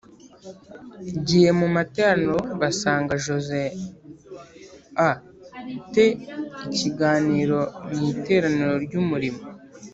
giye mu materaniro basanga Jose a te ikiganiro mu Iteraniro ry Umurimo